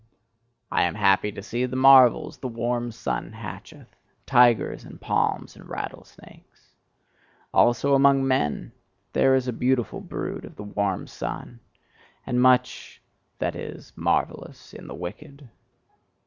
I am happy to see the marvels the warm sun hatcheth: tigers and palms and rattle snakes. Also amongst men there is a beautiful brood of the warm sun, and much that is marvellous in the wicked.